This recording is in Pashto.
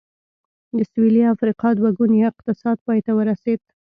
د سوېلي افریقا دوه ګونی اقتصاد پای ته ورسېد.